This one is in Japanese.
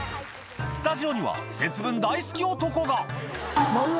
スタジオには節分大好き男が豆巻